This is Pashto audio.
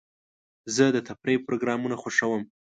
زه د تفریح پروګرامونه خوښوم.